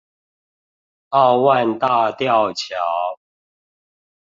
奧萬大吊橋